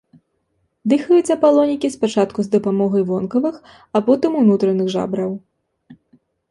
Дыхаюць апалонікі спачатку з дапамогай вонкавых, а потым унутраных жабраў.